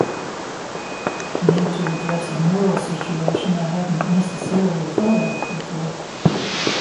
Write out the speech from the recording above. need to address a moral situation I hadn't necessarily thought of before